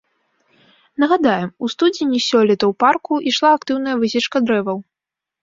Нагадаем, у студзені сёлета ў парку ішла актыўная высечка дрэваў.